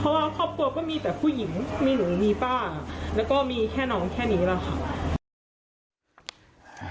เพราะว่าครอบครัวก็มีแต่ผู้หญิงมีหนูมีป้าแล้วก็มีแค่น้องแค่นี้แหละค่ะ